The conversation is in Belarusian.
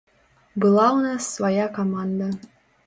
Была ў нас свая каманда.